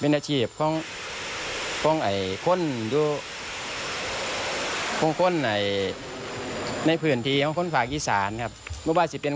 เป็นอาชีพของคนที่คงสนแห่งเมืองอีสาน